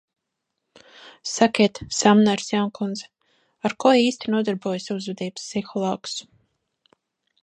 Sakiet, Samneres jaunkundze, ar ko īsti nodarbojas uzvedības psihologs?